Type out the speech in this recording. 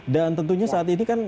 tentunya saat ini kan